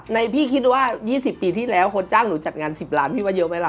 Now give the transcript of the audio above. พี่คิดว่า๒๐ปีที่แล้วคนจ้างหนูจัดงาน๑๐ล้านพี่ว่าเยอะไหมล่ะ